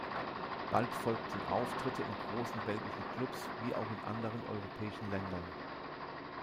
Bald folgten Auftritte in großen belgischen Clubs wie auch in anderen europäischen Ländern.